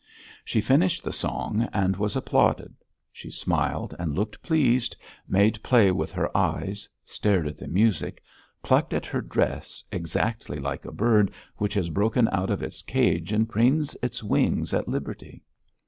She finished the song and was applauded. She smiled and looked pleased, made play with her eyes, stared at the music, plucked at her dress exactly like a bird which has broken out of its cage and preens its wings at liberty.